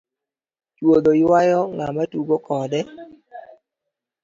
Choudho ywayo ng'ama tugo kode.